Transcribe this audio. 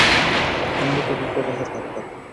বন্দুকে বিপ্রদাসের হাত পাকা।